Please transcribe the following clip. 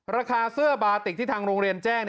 ราคาเสื้อบาติกที่ทางโรงเรียนแจ้ง